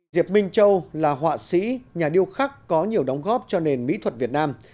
diệp minh châu là họa sĩ nhà điêu khắc có nhiều đóng góp cho nền mỹ thuật việt nam